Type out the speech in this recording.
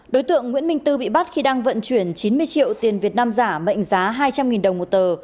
đối tượng nguyễn minh tư bị bắt khi đang vận chuyển chín mươi triệu tiền việt nam giả mệnh giá hai trăm linh đồng một tờ